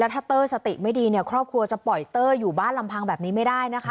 ถ้าเตอร์สติไม่ดีเนี่ยครอบครัวจะปล่อยเตอร์อยู่บ้านลำพังแบบนี้ไม่ได้นะคะ